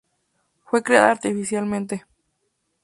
Fue creada artificialmente.